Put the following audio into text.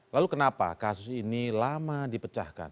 lalu kenapa kasus ini lama dipecahkan